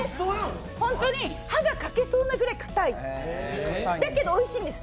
本当に歯が欠けそうにかたい。